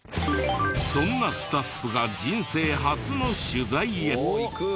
そんなスタッフが人生初の取材へ。